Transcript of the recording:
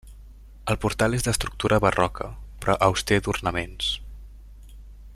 El portal és d'estructura barroca, però auster d'ornaments.